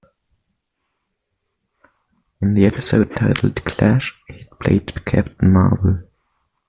In the episode, titled "Clash", he played Captain Marvel.